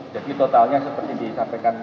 jadi totalnya seperti disampaikan